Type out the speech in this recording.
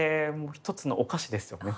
一つのお菓子ですよね